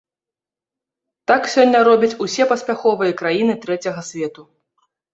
Так сёння робяць усе паспяховыя краіны трэцяга свету.